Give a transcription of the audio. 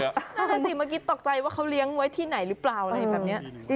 นั่นสิเมื่อกี้ตกใจว่าเขาเลี้ยงไว้ที่ไหนหรือเปล่าอะไรแบบนี้